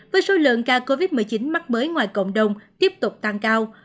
với số lượng ca covid một mươi chín mắc mới ngoài cộng đồng tiếp tục tăng cao